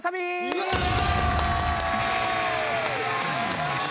イエーイ！